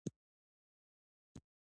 پنجشنبه د رخصتۍ ورځ ده.